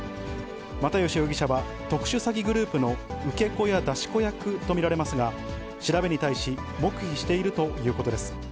又吉容疑者は特殊詐欺グループの受け子や出し子役と見られますが、調べに対し、黙秘しているということです。